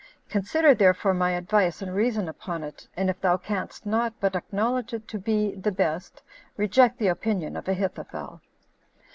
Consider, therefore, my advice, and reason upon it, and if thou canst not but acknowledge it to be the best, reject the opinion of Ahithophel.